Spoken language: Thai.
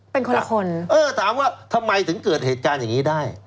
เป็นคนละคนเออถามว่าทำไมถึงเกิดเหตุการณ์อย่างนี้ได้